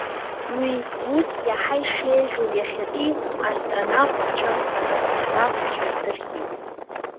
Уи ус иаҳа ишеиӷьу иахьатәи астронавтцәа, акосмонавтцәа ирдырхьеит…